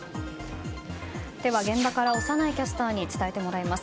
では現場から小山内キャスターに伝えてもらいます。